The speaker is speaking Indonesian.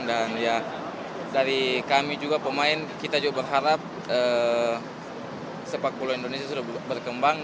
dan ya dari kami juga pemain kita juga berharap sepak bola indonesia sudah berkembang